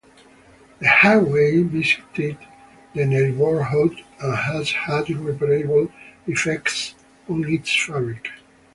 The highway bisected the neighborhood and has had irreparable effects on its fabric.